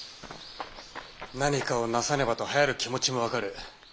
何かをなさねばとはやる気持ちも分かる。